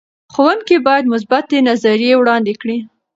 ښوونکي باید مثبتې نظریې وړاندې کړي.